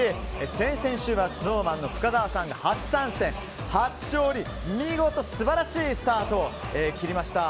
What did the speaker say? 先々週はＳｎｏｗＭａｎの深澤さんが初参戦、初勝利で見事素晴らしいスタートを切りました。